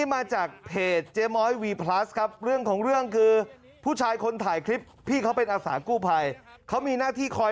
ฝากด้วยนะครับทะเบียนนี้เลย